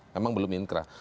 memang belum inkrah